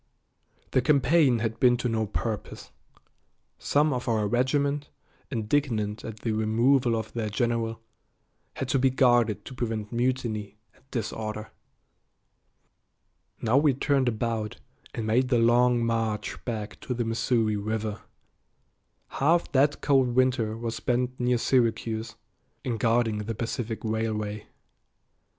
The campaign had been to no purpose. Some of our regiment, indignant at the removal of their general, had to be guarded to prevent mutiny and disorder. Now we turned about and made the long march back to the Missouri River. Half that cold winter was spent near Syracuse, in guarding the Pacific Railway.